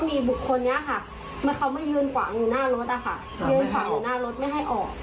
หนูเดินขึ้นรถกับแฟนแล้วแฟนกำลังจะขับรถออก